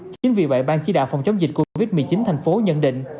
chính vì vậy ban chỉ đạo phòng chống dịch covid một mươi chín thành phố nhận định